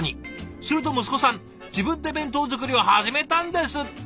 すると息子さん自分で弁当作りを始めたんですって。